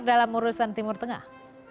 dalam urusan timur tengah